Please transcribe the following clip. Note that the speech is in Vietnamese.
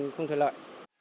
không thể lại